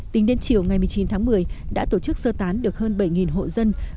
tính đến chiều ngày một mươi chín tháng một mươi đã tổ chức sơ tán được hơn bảy hộ dân